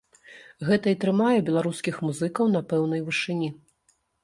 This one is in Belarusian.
Гэта і трымае беларускіх музыкаў на пэўнай вышыні.